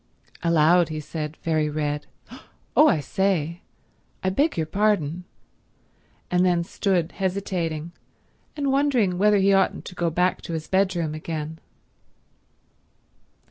Aloud he said, very red, "Oh I say—I beg your pardon"—and then stood hesitating, and wondering whether he oughtn't to go back to his bedroom again.